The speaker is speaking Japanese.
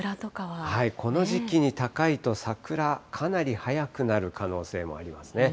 この時期に高いと、桜、かなり早くなる可能性もありますね。